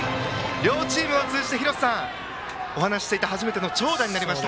両チームを通じて廣瀬さん、お話をしていた初めての長打になりました。